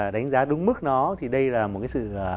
đánh giá đúng mức nó thì đây là một cái sự